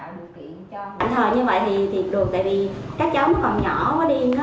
bạn thờ như vậy thì đùa tại vì các cháu nó còn nhỏ quá đi